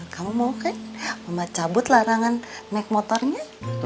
kamu mau kan cabut larangan naik motornya